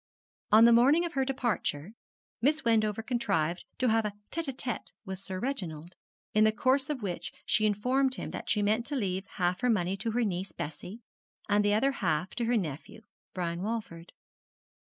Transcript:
On the morning of her departure, Miss Wendover contrived to have a téte â téte with Sir Reginald; in the course of which she informed him that she meant to leave half her money to her niece Bessie, and the other half to her nephew Brian Walford.